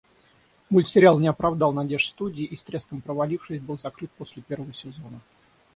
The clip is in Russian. Мультсериал не оправдал надежд студии и, с треском провалившись, был закрыт после первого сезона.